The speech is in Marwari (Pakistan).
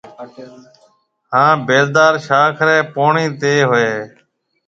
هانَ بيلدار شاخ ري پوڻِي هوئي هيَ۔